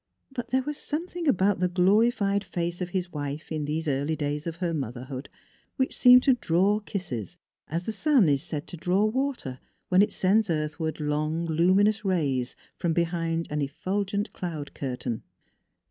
But there was something about the glorified face of his wife in these early days of her motherhood which seemed to draw kisses as the sun is said to draw water, when it sends earthward long, lumi nous rays from behind an effulgent cloud curtain.